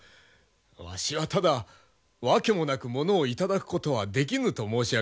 わしはただ訳もなくものを頂くことはできぬと申し上げているのだ。